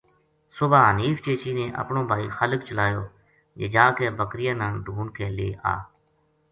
صبح حنیف چیچی نے اپنو بھائی خالق چلایو جے جا کے بکریاں نا ڈُھونڈ کے لے آ